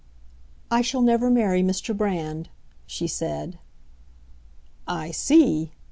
"I shall never marry Mr. Brand," she said. "I see!"